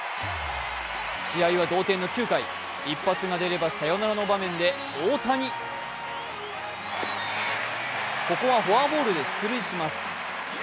試合は同点の９回、一発が出ればサヨナラの場面で大谷、ここはフォアボールで出塁します。